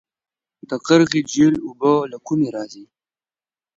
د قرغې جهیل اوبه له کومه راځي؟